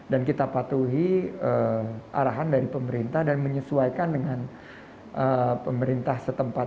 dan kita patuhi arahan dari pemerintah dan menyesuaikan dengan pemerintah setempat